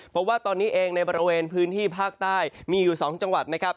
เพราะว่าตอนนี้เองในบริเวณพื้นที่ภาคใต้มีอยู่๒จังหวัดนะครับ